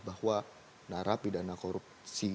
bahwa narapidana korupsi